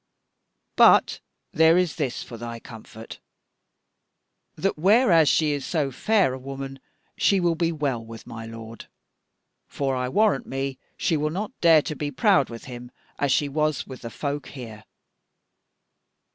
But there is this for thy comfort, that whereas she is so fair a woman, she will be well with my lord. For I warrant me that she will not dare to be proud with him, as she was with the folk here."